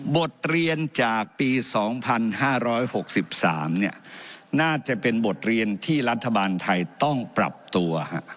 บทเรียนจากปี๒๕๖๓น่าจะเป็นบทเรียนที่รัฐบาลไทยต้องปรับตัว